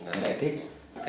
anh đã thích